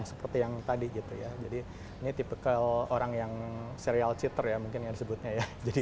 seperti yang tadi gitu ya jadi ini tipikal orang yang serial cheater ya mungkin yang disebutnya ya jadi